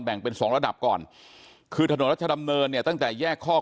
แบ่งเป็นสองระดับก่อนคือถนนรัชดำเนินตั้งแต่แยกข้อกลัว